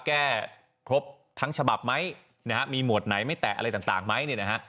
แก้ครบทั้งฉบับไหมนะฮะมีหมวดไหนไม่แตะอะไรต่างไหมเนี่ยนะฮะ